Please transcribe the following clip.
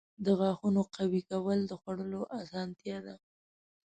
• د غاښونو قوي کول د خوړلو اسانتیا ده.